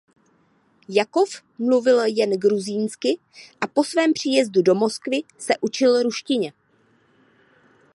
Jakov mluvil jen gruzínsky a po svém příjezdu do Moskvy se učil ruštině.